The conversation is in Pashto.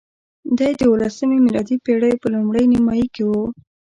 دی د اوولسمې میلادي پېړۍ په لومړۍ نیمایي کې وو.